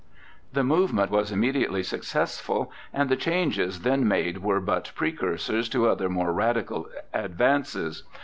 The movement was immediately successful, and the changes then made were but precursors to other more radical advances.